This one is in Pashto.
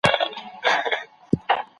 که حضوري ښوونځی وي، نو د نظم اصول پلي کېږي.